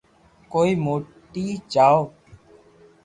ڪو موني جاوُ